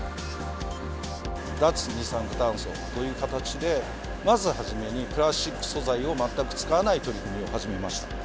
脱二酸化炭素という形で、まず初めにプラスチック素材を全く使わない取り組みを始めました。